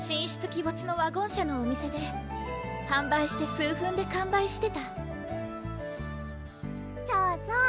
鬼没のワゴン車のお店で販売して数分で完売してたそうそう！